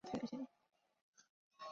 其母是安禄山平妻段氏。